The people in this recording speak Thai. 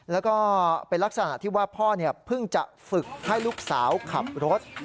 แล้วก็เป็นลักษณะที่ว่าพ่อเพิ่งจะฝึกให้ลูกสาวขับรถ